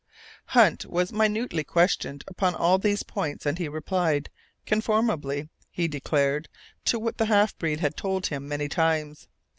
Hunt was minutely questioned upon all these points and he replied, conformably, he declared, to what the half breed had told him many times.